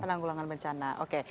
penanggulangan bencana oke